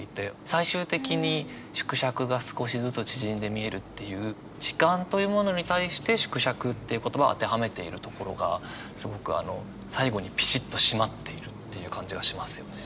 最終的に「縮尺が少しずつ縮んで見える」っていう時間というものに対して「縮尺」という言葉を当てはめているところがすごく最後にピシッと締まっているっていう感じがしますよね。